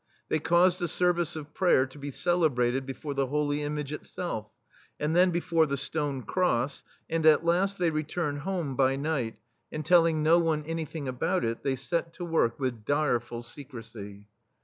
They caused a service of prayer to be celebrated before the holy image itself, and then before the stone cross, and at last they returned home, "by night," and telling no one anything about it, they set to work with direful secrecy.